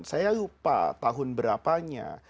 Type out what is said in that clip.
saya lupa tahun berapanya